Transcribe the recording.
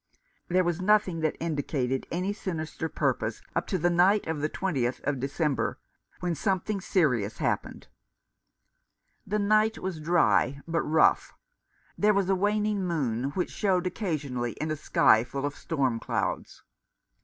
There was nothing that indicated any sinister purpose up to the night of the 20th of December, when something' serious happened. The night was dry, but rough. There was a waning moon, which showed occasionally in a sky full of storm clouds.